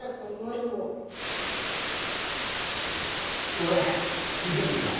どれ見せてみろ。